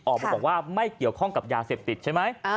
ออกมาบอกว่าไม่เกี่ยวข้องกับยาเสพติดใช่ไหม